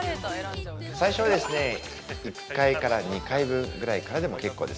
◆最初は１階から２階分ぐらいからでも結構です。